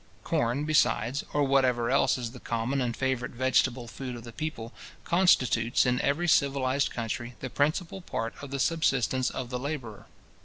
Corn, besides, or whatever else is the common and favourite vegetable food of the people, constitutes, in every civilized country, the principal part of the subsistence of the labourer.